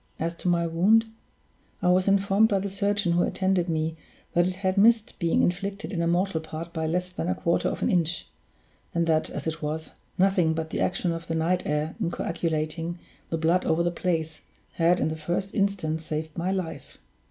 As to my wound, I was informed by the surgeon who attended me that it had missed being inflicted in a mortal part by less than a quarter of an inch, and that, as it was, nothing but the action of the night air in coagulating the blood over the place, had, in the first instance, saved my life.